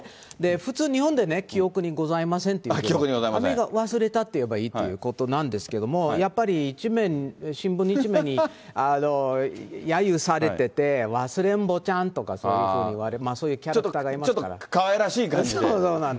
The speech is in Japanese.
普通、日本でね、記憶にございませんって言うと、アメリカ、忘れたって言えばいいってことなんですけども、やっぱり新聞の１面にやゆされてて、わすれんぼうちゃんとかそういうふうに言われて、そういうキャラちょっとかわいらしい感じで。